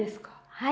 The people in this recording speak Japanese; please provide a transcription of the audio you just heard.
はい。